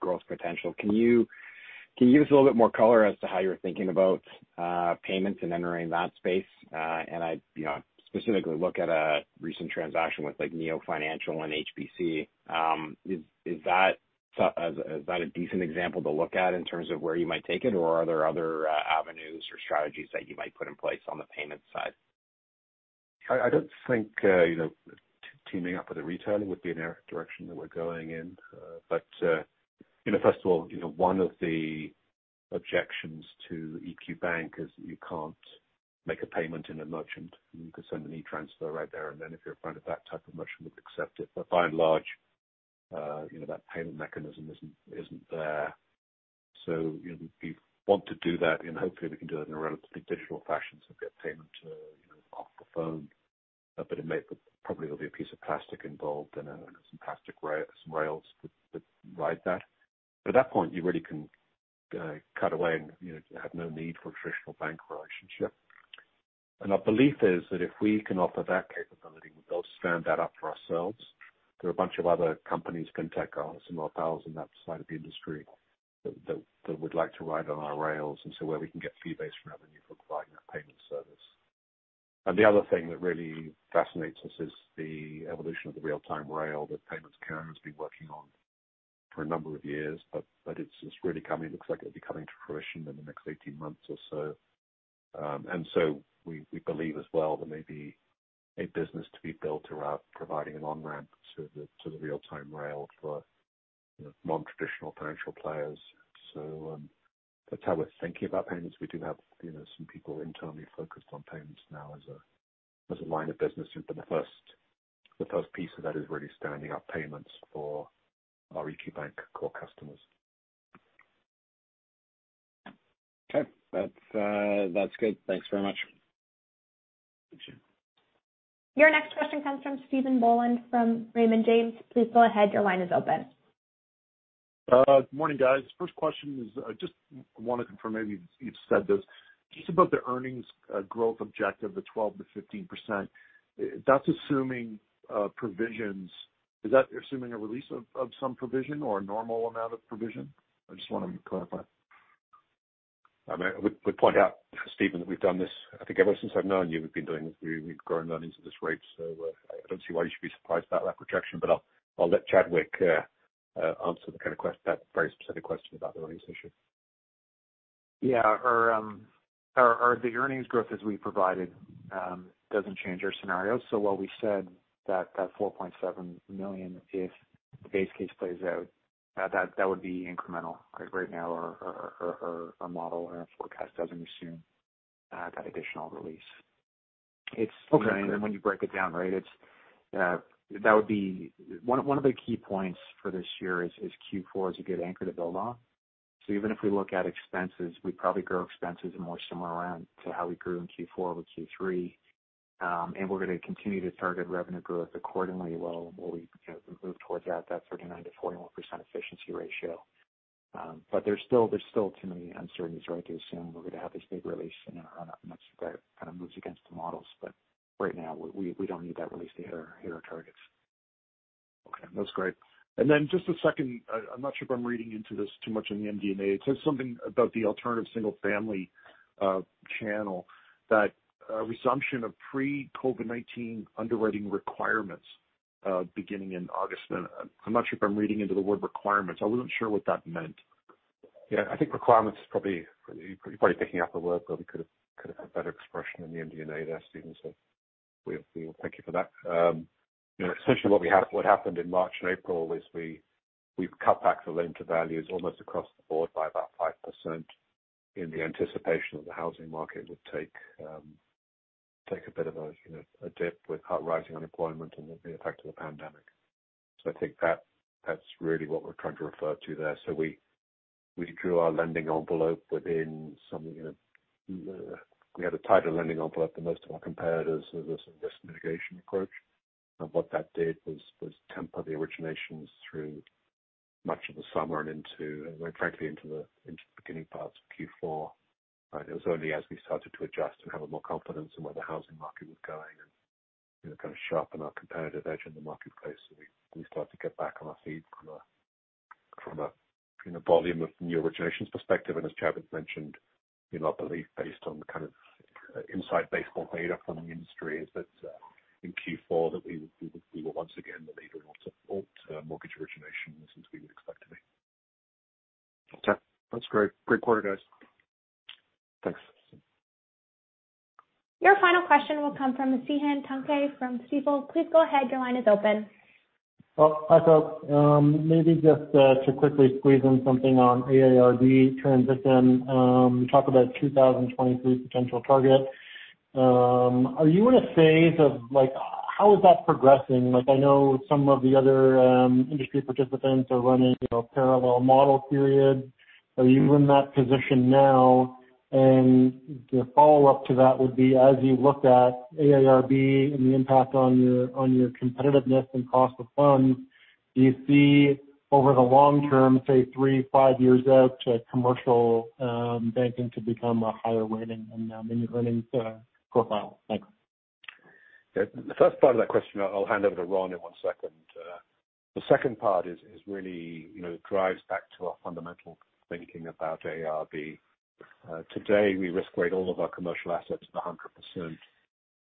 growth potential. Can you give us a little bit more color as to how you're thinking about payments and entering that space? I specifically look at a recent transaction with Neo Financial and HBC. Is that a decent example to look at in terms of where you might take it? Or are there other avenues or strategies that you might put in place on the payment side? I don't think teaming up with a retailer would be an area of direction that we're going in. First of all, one of the objections to EQ Bank is you can't make a payment in a merchant. You could send an e-transfer right there. Then if you're in front of that type of merchant, we'd accept it. By and large, that payment mechanism isn't there. We want to do that. Hopefully, we can do it in a relatively digital fashion. We've got payment off the phone. But probably there'll be a piece of plastic involved and some plastic rails to ride that. But at that point, you really can cut away and have no need for a traditional bank relationship. And our belief is that if we can offer that capability, we'll be able to stand that up for ourselves. There are a bunch of other companies, FinTech, and some more pals in that side of the industry that would like to ride on our rails and see where we can get fee-based revenue for providing that payment service. And the other thing that really fascinates us is the evolution of the Real-Time Rail that Payments Canada has been working on for a number of years. But it's really coming. It looks like it'll be coming to fruition in the next 18 months or so. And so we believe as well there may be a business to be built around providing an on-ramp to the Real-Time Rail for non-traditional financial players. So that's how we're thinking about payments. We do have some people internally focused on payments now as a line of business. But the first piece of that is really standing up payments for our EQ Bank core customers. Okay. That's good. Thanks very much. Your next question comes from Stephen Boland from Raymond James. Please go ahead. Your line is open. Good morning, guys. First question is, I just want to confirm maybe you've said this, just about the earnings growth objective, the 12%-15%. That's assuming provisions. Is that assuming a release of some provision or a normal amount of provision? I just want to clarify. I mean, I would point out, Stephen, that we've done this, I think ever since I've known you, we've been doing this. We've grown earnings at this rate. So I don't see why you should be surprised about that projection, but I'll let Chadwick answer that very specific question about the earnings issue. Yeah, or the earnings growth as we provided doesn't change our scenario. So while we said that 4.7 million, if the base case plays out, that would be incremental. Right now, our model and our forecast doesn't assume that additional release. And then when you break it down, right, that would be one of the key points for this year is Q4 is a good anchor to build on, so even if we look at expenses, we'd probably grow expenses more similar to how we grew in Q4 over Q3. We're going to continue to target revenue growth accordingly while we move towards that 39%-41% efficiency ratio. But there's still too many uncertainties, right, to assume we're going to have this big release. And that kind of moves against the models. But right now, we don't need that release to hit our targets. Okay. That's great. And then just a second, I'm not sure if I'm reading into this too much in the MD&A. It says something about the Alternative Single Family channel, that resumption of pre-COVID-19 underwriting requirements beginning in August. And I'm not sure if I'm reading into the word requirements. I wasn't sure what that meant. Yeah. I think requirements is probably you're probably picking up the word, but we could have a better expression in the MD&A there, Stephen. So we'll thank you for that. Essentially, what happened in March and April is we've cut back the Loan-to-Value almost across the board by about 5% in the anticipation that the housing market would take a bit of a dip with rising unemployment and the effect of the pandemic. So I think that's really what we're trying to refer to there. So we drew our lending envelope. We had a tighter lending envelope than most of our competitors with this risk mitigation approach. And what that did was temper the originations through much of the summer and, frankly, into the beginning parts of Q4. And it was only as we started to adjust and have more confidence in where the housing market was going and kind of sharpen our competitive edge in the marketplace that we started to get back on our feet from a volume of new originations perspective. As Chadwick mentioned, our belief based on kind of inside baseball data from the industry is that in Q4 that we were once again the leader in mortgage originations as we would expect to be. Okay. That's great. Great quarter, guys. Thanks. Your final question will come from Cihan Tuncay from Stifel. Please go ahead. Your line is open. Maybe just to quickly squeeze in something on AIRB transition. We talked about 2023 potential target. Are you in a phase of how is that progressing? I know some of the other industry participants are running a parallel model period. Are you in that position now? And the follow-up to that would be, as you look at AIRB and the impact on your competitiveness and cost of funds, do you see over the long term, say, three, five years out, commercial banking to become a higher rating and earnings profile? Thanks. The first part of that question, I'll hand over to Ron in one second. The second part is really it drives back to our fundamental thinking about AIRB. Today, we risk-weight all of our commercial assets at 100%.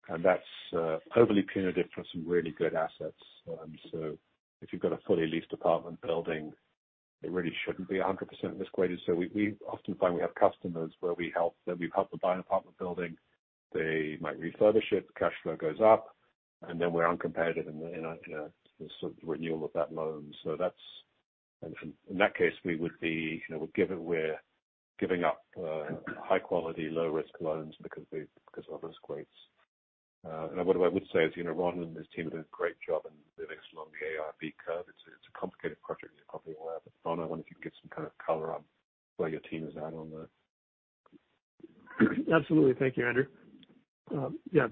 And that's overly punitive for some really good assets. So if you've got a fully leased apartment building, it really shouldn't be 100% risk-weighted. So we often find we have customers where we've helped them buy an apartment building. They might refurbish it. The cash flow goes up. And then we're uncompetitive in the sort of renewal of that loan. So in that case, we would give it up; we're giving up high-quality, low-risk loans because of those weights. And what I would say is Ron and his team have done a great job in moving us along the AIRB curve. It is a complicated project. You are probably aware of it. Ron, I wonder if you can get some kind of color on where your team is at on that. Absolutely. Thank you, Andrew. Yeah.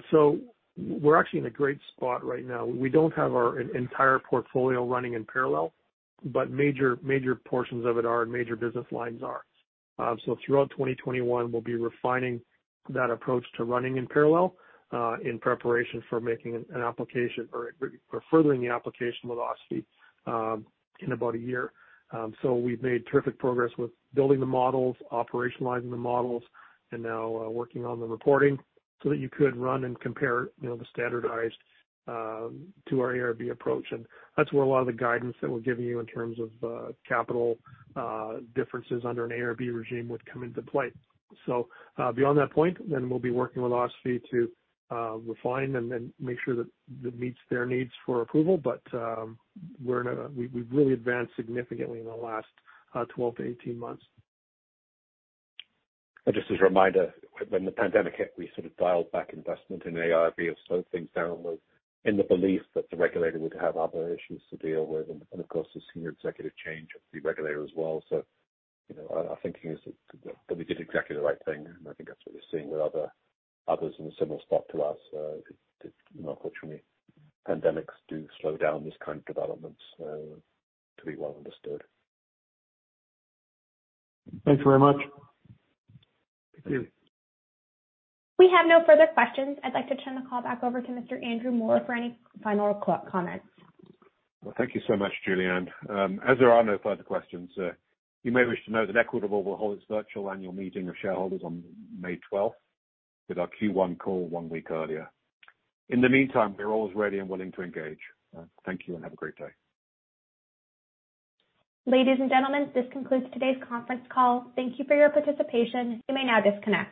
We are actually in a great spot right now. We do not have our entire portfolio running in parallel, but major portions of it are and major business lines are. Throughout 2021, we will be refining that approach to running in parallel in preparation for making an application or furthering the application with OSFI in about a year. We've made terrific progress with building the models, operationalizing the models, and now working on the reporting so that you could run and compare the standardized to our AIRB approach. That's where a lot of the guidance that we're giving you in terms of capital differences under an AIRB regime would come into play. Beyond that point, then we'll be working with OSFI to refine and make sure that it meets their needs for approval. We've really advanced significantly in the last 12-18 months. Just as a reminder, when the pandemic hit, we sort of dialed back investment in AIRB or slowed things down in the belief that the regulator would have other issues to deal with. Of course, the senior executive change of the regulator as well. Our thinking is that we did exactly the right thing. I think that's what you're seeing with others in a similar spot to us. Unfortunately, pandemics do slow down this kind of development, so to be well understood. Thanks very much. Thank you. We have no further questions. I'd like to turn the call back over to Mr. Andrew Moor for any final comments. Well, thank you so much, Jillian. As there are no further questions, you may wish to know that Equitable will hold its virtual annual meeting of shareholders on May 12th with our Q1 call one week earlier. In the meantime, we're always ready and willing to engage. Thank you and have a great day. Ladies and gentlemen, this concludes today's conference call. Thank you for your participation. You may now disconnect.